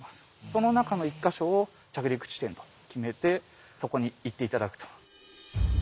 その中の１か所を着陸地点と決めてそこに行って頂くと。